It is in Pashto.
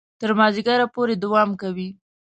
تر مازیګره پورې دوام کوي.